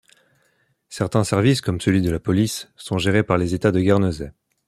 Certains services comme celui de la police sont gérés par les États de Guernesey.